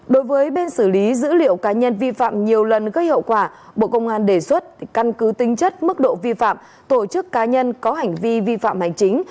đối với bên xử lý dữ liệu cá nhân vi phạm nhiều lần gây hậu quả bộ công an đề xuất căn cứ tính chất mức độ vi phạm tổ chức cá nhân có hành vi vi phạm hành chính